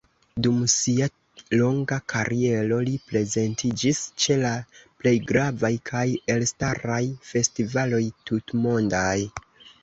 Dum sia longa kariero li prezentiĝis ĉe la plej gravaj kaj elstaraj festivaloj tutmondaj.